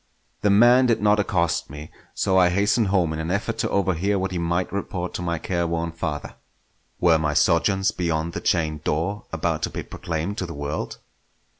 The man did not accost me, so I hastened home in an effort to overhear what he might report to my careworn father. Were my sojourns beyond the chained door about to be proclaimed to the world?